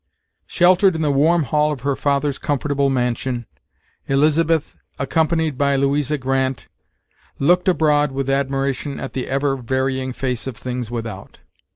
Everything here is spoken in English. Sheltered in the warm hall of her father's comfortable mansion, Elizabeth, accompanied by Louisa Grant, looked abroad with admiration at the ever varying face of things without.